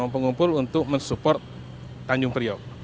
pengumpul untuk mensupport tanjung priok